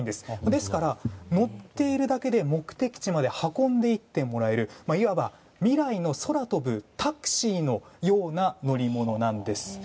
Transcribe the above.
ですから、乗っているだけで目的地まで運んでいってもらえるいわば未来の空飛ぶタクシーのような乗り物なんです。